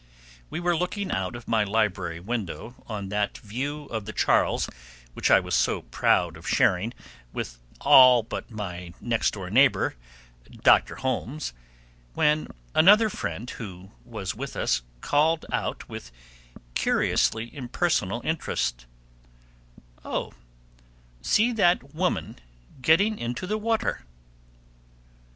We were looking out of my library window on that view of the Charles which I was so proud of sharing with my all but next door neighbor, Doctor Holmes, when another friend who was with us called out with curiously impersonal interest, "Oh, see that woman getting into the water!"